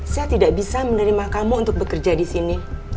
saya tidak bisa menerima kamu untuk bekerja di sini